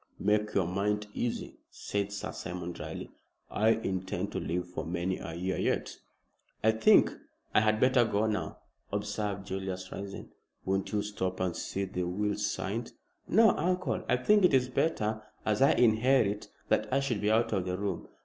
"Make your mind easy," said Sir Simon, dryly. "I intend to live for many a year yet." "I think I had better go now," observed Julius, rising. "Won't you stop and see the will signed?" "No, uncle. I think it is better, as I inherit, that I should be out of the room.